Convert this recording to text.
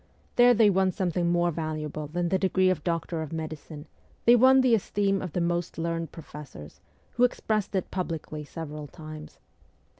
There they won something more valuable than the degree of Doctor of Medicine ; they won the esteem of the most learned professors, who expressed it publicly several times.